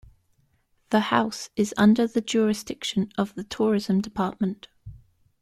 The house is under the jurisdiction of the Tourism Department.